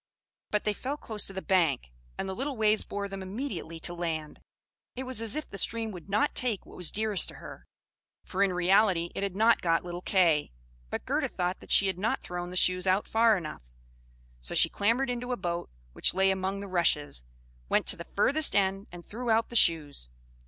But they fell close to the bank, and the little waves bore them immediately to land; it was as if the stream would not take what was dearest to her; for in reality it had not got little Kay; but Gerda thought that she had not thrown the shoes out far enough, so she clambered into a boat which lay among the rushes, went to the farthest end, and threw out the shoes.